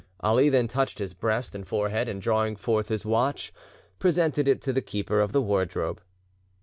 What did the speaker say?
Ali then touched his breast and forehead, and, drawing forth his watch, presented it to the keeper of the wardrobe.